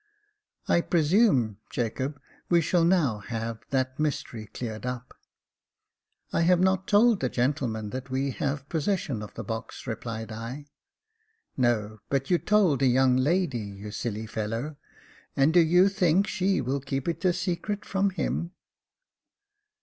"I presume, Jacob, we shall now have that mystery cleared up." " I have not told the gentleman that we have possession of the box," replied I. "No; but you told the young lady, you silly fellow; and do you think she will keep it a secret from him